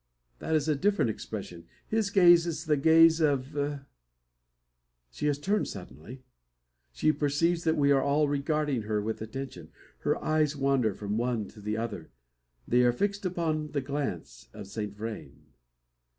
that is a different expression. His gaze is the gaze of She has turned suddenly. She perceives that we are all regarding her with attention. Her eyes wander from one to the other. They are fixed upon the glance of Saint Vrain!